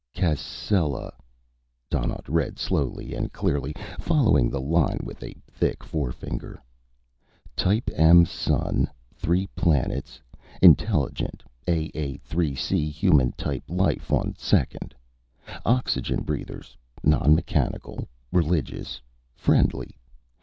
"Cascella," Donnaught read, slowly and clearly, following the line with a thick forefinger. "Type M sun. Three planets, intelligent (AA3C) human type life on second. Oxygen breathers. Non mechanical. Religious. Friendly.